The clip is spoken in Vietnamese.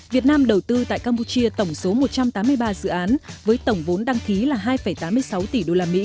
việt nam đầu tư tại campuchia tổng số một trăm tám mươi ba dự án với tổng vốn đăng ký là hai tám mươi sáu tỷ usd